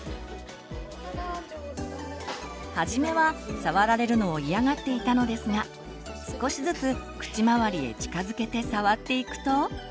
初めは触られるのを嫌がっていたのですが少しずつ口周りへ近づけて触っていくと。